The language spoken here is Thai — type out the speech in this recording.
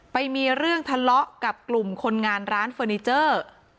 ไปมีเรื่องทะเลาะกับกลุ่มคนงานร้านเฟอร์นิเจอร์